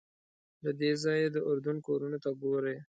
له دې ځایه د اردن کورونو ته ګورې.